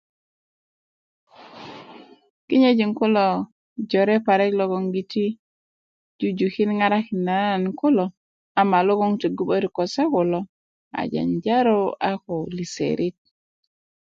Kinyöjin kulo jore parik logoŋgiti jujukin ŋarakinda nan kulo ama logon 'ntogu 'börik ko se kulo a janjaro a ko liserit